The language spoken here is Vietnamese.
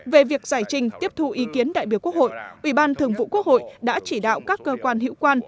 về việc giải trình tiếp thu ý kiến đại biểu quốc hội ủy ban thường vụ quốc hội đã chỉ đạo các cơ quan hiệu quan